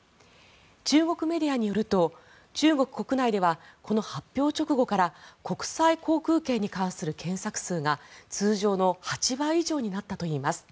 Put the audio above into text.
中国メディアによると中国国内ではこの発表直後から国際航空券に関する検索数が通常の８倍以上になったといいます。